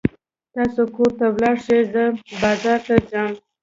تاسې کور ته ولاړ شئ، زه بازار ته ځم.